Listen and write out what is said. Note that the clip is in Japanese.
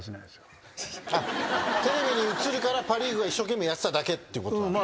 テレビに映るからパ・リーグが一生懸命やってただけってことなんですか？